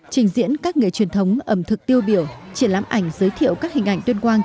trình diễn các nghề truyền thống ẩm thực tiêu biểu triển lãm ảnh giới thiệu các hình ảnh tuyên quang